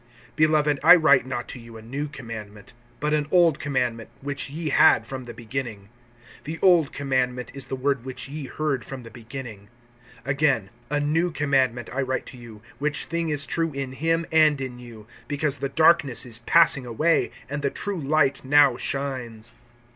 (7)Beloved, I write not to you a new commandment, but an old commandment which ye had from the beginning. The old commandment is the word which ye heard from the beginning[2:7]. (8)Again, a new commandment I write to you, which thing is true in him and in you; because the darkness is passing away, and the true light now shines.